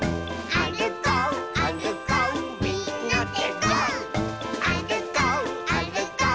「あるこうあるこうみんなで」